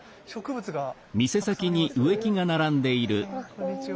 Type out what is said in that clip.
こんにちは。